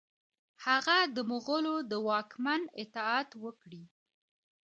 هغه د مغولو د واکمن اطاعت وکړي.